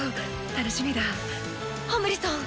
楽しみだ。